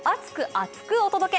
厚く！お届け！